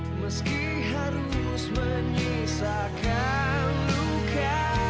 meski harus menyisakan duka